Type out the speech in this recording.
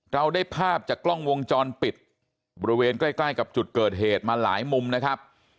เราได้ภาพจากกล้องวงจรปิดบริเวณใกล้ใกล้กับจุดเกิดเหตุมาหลายมุมนะครับ